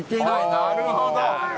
なるほど。